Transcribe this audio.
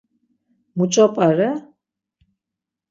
Muç̌o p̌are?